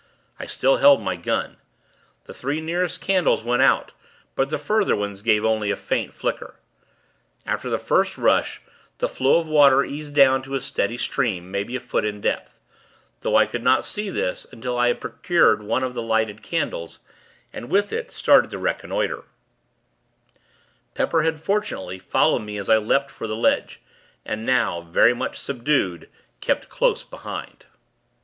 I still held my gun. The three nearest candles went out; but the further ones gave only a short flicker. After the first rush, the flow of water eased down to a steady stream, maybe a foot in depth; though I could not see this, until I had procured one of the lighted candles, and, with it, started to reconnoiter. Pepper had, fortunately, followed me as I leapt for the ledge, and now, very much subdued, kept close behind.